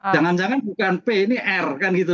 jangan jangan bukan p ini r kan gitu